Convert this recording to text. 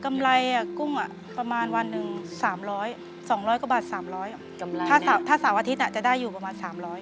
กำไรกุ้งประมาณวันหนึ่ง๓๐๐๒๐๐กว่าบาท๓๐๐ถ้า๓อาทิตย์จะได้อยู่ประมาณ๓๐๐